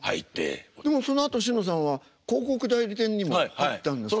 でもそのあとしのさんは広告代理店にも行ったんですか？